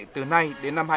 từ nay đến năm nay